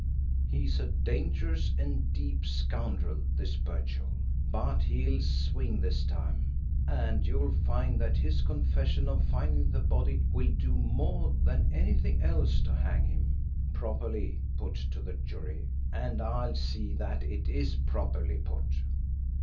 He's a dangerous and deep scoundrel, this Birchill, but he'll swing this time, and you'll find that his confession of finding the body will do more than anything else to hang him properly put to the jury, and I'll see that it is properly put."